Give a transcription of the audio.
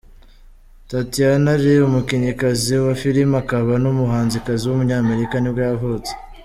Tatyana Ali, umukinnyikazi wa filime akaba n’umuhanzikazi w’umunyamerika nibwo yavutse.